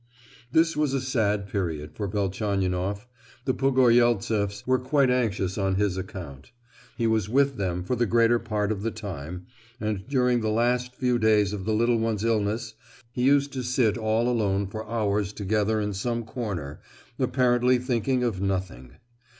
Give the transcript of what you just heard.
This was a sad period for Velchaninoff; the Pogoryeltseffs were quite anxious on his account. He was with them for the greater part of the time, and during the last few days of the little one's illness, he used to sit all alone for hours together in some corner, apparently thinking of nothing.